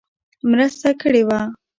مرسته کړې وه.